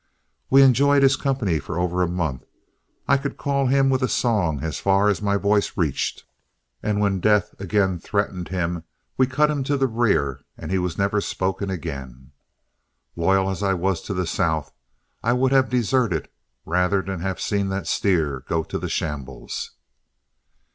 We enjoyed his company for over a month, I could call him with a song as far as my voice reached, and when death again threatened him, we cut him to the rear and he was never spoken again. Loyal as I was to the South, I would have deserted rather than have seen that steer go to the shambles.